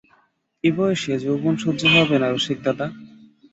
এ বয়সে যৌবন সহ্য হবে না রসিকদাদা!